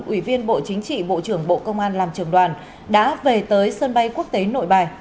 ủy viên bộ chính trị bộ trưởng bộ công an làm trường đoàn đã về tới sân bay quốc tế nội bài